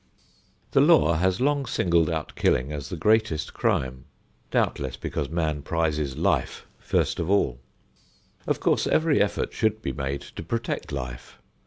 The law has long singled out killing as the greatest crime, doubtless because man prizes life first of all. Of course every effort should be made to protect life.